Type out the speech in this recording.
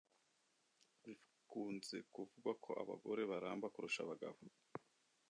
Bikunze kuvugwa ko abagore baramba kurusha abagabo